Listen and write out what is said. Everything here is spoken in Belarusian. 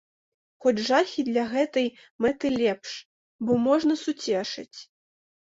Хоць жахі для гэтай мэты лепш, бо можна суцешыць.